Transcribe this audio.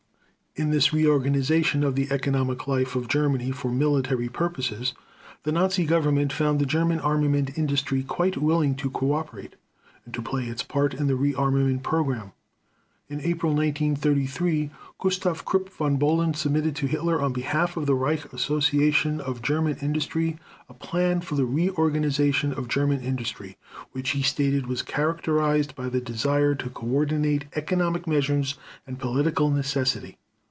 In this reorganization of the economic life of Germany for military purposes, the Nazi Government found the German armament industry quite willing to cooperate, and to play its part in the rearmament program. In April 1933 Gustav Krupp von Bohlen submitted to Hitler on behalf of the Reich Association of German Industry a plan for the reorganization of German industry, which he stated was characterized by the desire to coordinate economic measures and political necessity.